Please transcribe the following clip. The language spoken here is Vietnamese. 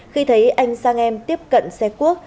khi thấy anh sang em tiếp cận xe cuốc